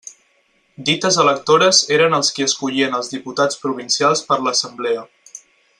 Dites electores eren els qui escollien als diputats provincials per a l'assemblea.